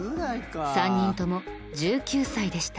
３人とも１９歳でした。